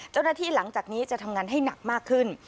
เจ้าหน้าที่หลังจากนี้จะทำงานให้หนักมากขึ้น